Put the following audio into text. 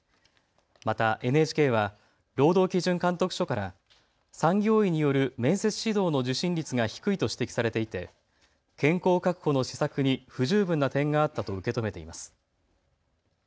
またＮＨＫは労働基準監督署から産業医による面接指導の受診率が低いと指摘されていて健康確保の施策に不十分な点があったと受け止めています。